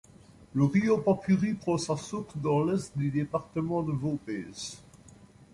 Le río Papuri prend sa source dans l'est du département de Vaupés.